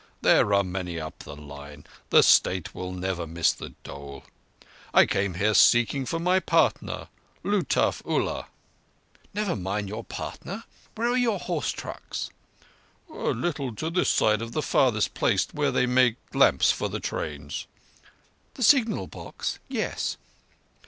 There are many up the line. The State will never miss the dole. I came here seeking for my partner, Lutuf Ullah." "Never mind your partner. Where are your horse trucks?" "A little to this side of the farthest place where they make lamps for the trains."— "The signal box! Yes."